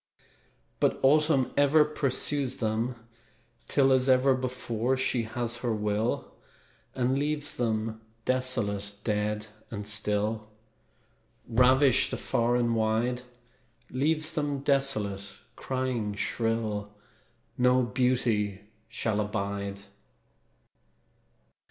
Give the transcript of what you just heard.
But Autumn ever Pursues them till, As ever before, She has her will, And leaves them desolate, dead and still, Ravished afar and wide; Leaves them desolate; crying shrill, "No beauty shall abide!"